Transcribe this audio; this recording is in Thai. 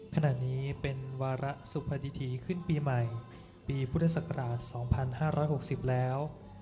ขณะนี้เป็นวาระสุพธิธีขึ้นปีใหม่ปีพุทธศักราช๒๕๖๐แล้ว